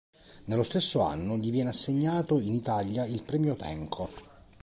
Nello stesso anno gli viene assegnato in Italia il premio Tenco.